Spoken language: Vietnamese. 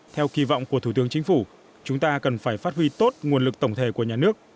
theo kỳ vọng của thủ tướng chính phủ chúng ta cần phải phát huy tốt nguồn lực tổng thể của nhà nước